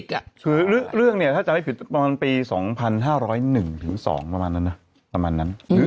คือเรื่องถ้าจะไม่ผิดปันปี๒๕๐๑๒๕๐๒ประมาณนั้นนะ